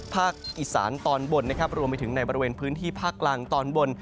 ภาคอีสานตอนบนนะครับรวมไปถึงในบริเวณพื้นที่ภาคกลางตอนบน